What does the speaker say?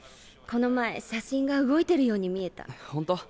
この前写真が動いてるように見えたホント？